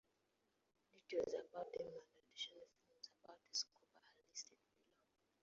Details about them, and additional films about Escobar, are listed below.